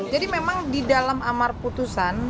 jadi memang di dalam amar putusan